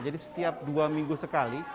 jadi setiap dua minggu sekali